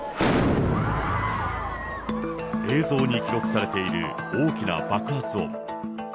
映像に記録されている大きな爆発音。